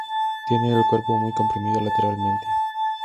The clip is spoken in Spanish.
Tiene el cuerpo muy comprimido lateralmente.